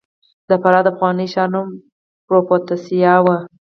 د فراه د پخواني ښار نوم پروفتاسیا و